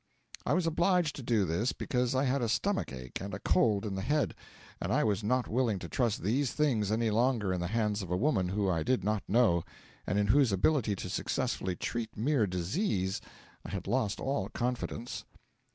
I was obliged to do this because I had a stomach ache and a cold in the head, and I was not willing to trust these things any longer in the hands of a woman whom I did not know, and in whose ability to successfully treat mere disease I had lost all confidence.